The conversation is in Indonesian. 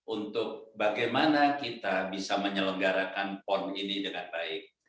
untuk bagaimana kita bisa menyelenggarakan pon ini dengan baik